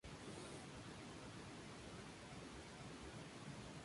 Se conoce a Macrino principalmente por inscripciones.